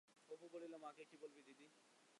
অপু বলিল, মাকে কি বলবি দিদি?